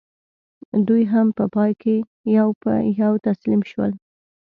دوی هم په پای کې یو په یو تسلیم شول.